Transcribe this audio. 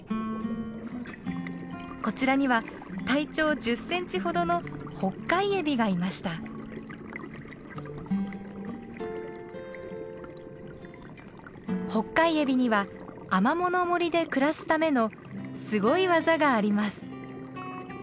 こちらには体長１０センチほどのホッカイエビにはアマモの森で暮らすためのすごい技があります。